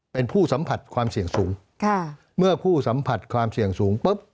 เป็นผู้สัมผัสความเสี่ยงสูงค่ะเมื่อผู้สัมผัสความเสี่ยงสูงปุ๊บ